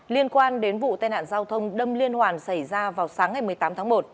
liên quan đến vụ tai nạn giao thông đâm liên hoàn xảy ra vào sáng ngày một mươi tám tháng một